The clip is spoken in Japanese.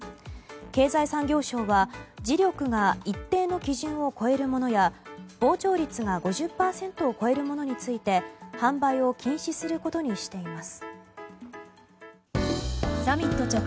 経済産業省は磁力が一定の基準を超えるものや膨張率が５０％を超えるものについて販売を禁止することにしています。